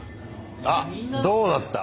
あっどうなった？